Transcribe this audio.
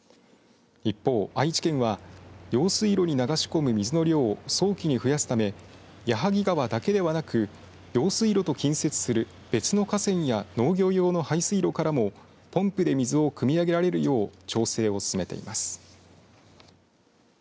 一方、愛知県は用水路に流し込む水の量を早期に増やすため矢作川だけではなく用水路と近接する別の河川や農業用の排水路からもポンプで水をくみ上げられるよう調整を進めています。